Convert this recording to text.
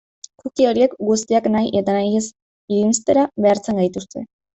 Cookie horiek guztiak nahi eta nahi ez irenstera behartzen gaituzte.